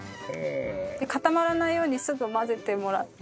固まらないようにすぐ混ぜてもらって。